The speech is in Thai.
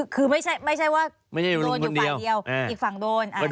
คือไม่ใช่ว่าโดนอยู่ฝ่ายเดียวอีกฝั่งโดน